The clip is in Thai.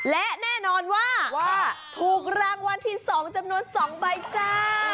และแน่นอนว่าว่าถูกรางวัลที่๒จำนวน๒ใบจ้า